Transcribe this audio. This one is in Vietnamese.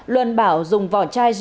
luân bảo dùng vỏ chai giết chết hai người